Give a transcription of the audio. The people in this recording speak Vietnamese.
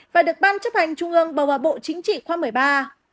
và được ban chấp hành trung ương bầu vào bộ chính trị khoa một mươi ba